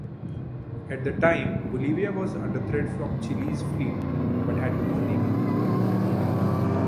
At the time Bolivia was under threat from Chile's fleet but had no navy.